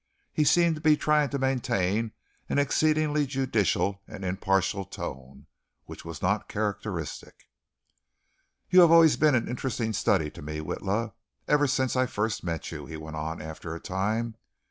He seemed to be trying to maintain an exceedingly judicial and impartial tone, which was not characteristic. "You have always been an interesting study to me, Witla, ever since I first met you," he went on, after a time.